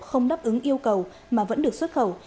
không đáp ứng yêu cầu mà vẫn được xuất khẩu